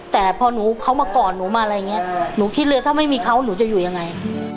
แต่พอหนูเขามากอดหนูมาอะไรอย่างนี้หนูคิดเลยถ้าไม่มีเขาหนูจะอยู่ยังไง